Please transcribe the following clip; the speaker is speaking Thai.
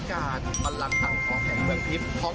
ขอให้มีความปรับคุยให้อวยยดให้เป็นผู้หญิงคุ้มส่อง